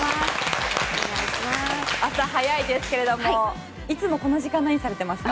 朝早いですけれどもいつもこの時間何されてますか？